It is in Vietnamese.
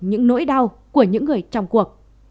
những nỗi đau của những người trong cuộc